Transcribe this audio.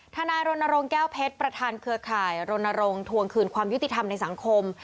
นายรณรงค์แก้วเพชรประธานเครือข่ายรณรงค์ทวงคืนความยุติธรรมในสังคม